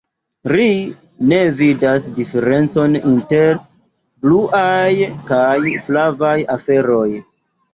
Ri ne vidas diferencon inter bluaj kaj flavaj aferoj.